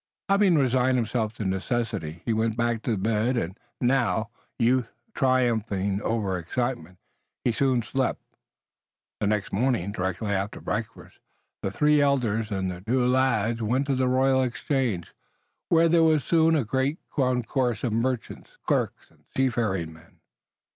Having resigned himself to necessity, he went back to bed and now, youth triumphing over excitement, he soon slept. The next morning, directly after breakfast, the three elders and the two lads went to the Royal Exchange, where there was soon a great concourse of merchants, clerks and seafaring men.